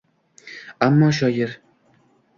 Ammo shoir